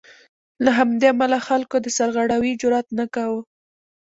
له همدې امله خلکو د سرغړاوي جرات نه کاوه.